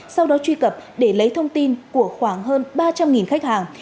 sau đó truy cập để lấy thông tin của khoảng hơn ba trăm linh khách hàng